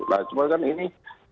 nah cuma kan ini